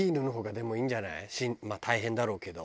まあ大変だろうけど。